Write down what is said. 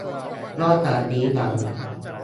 นอกจากนี้ยัง